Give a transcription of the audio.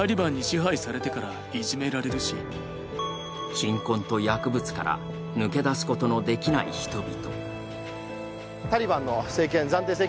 貧困と薬物から抜け出すことのできない人々。